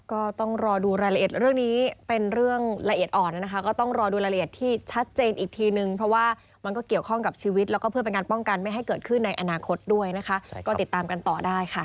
ก็ต้องรอดูรายละเอียดเรื่องนี้เป็นเรื่องละเอียดอ่อนนะคะก็ต้องรอดูรายละเอียดที่ชัดเจนอีกทีนึงเพราะว่ามันก็เกี่ยวข้องกับชีวิตแล้วก็เพื่อเป็นการป้องกันไม่ให้เกิดขึ้นในอนาคตด้วยนะคะก็ติดตามกันต่อได้ค่ะ